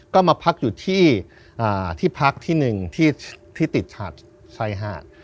ก็มาพักอยู่ที่พักที่หนึ่งที่ติดฉาดชายหาด